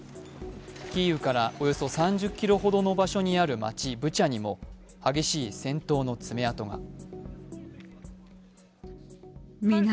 キーウからおよそ３０ｋｍほどの場所にある街ブチャにも激しい戦闘の爪痕が。